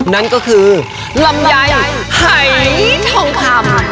นั่นก็คือลำไยหายทองคำ